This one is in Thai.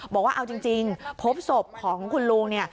บอกว่าเอาจริงพบศพของคุณลุงเนี่ย